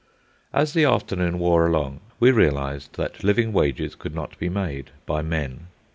As the afternoon wore along, we realised that living wages could not be made—by men.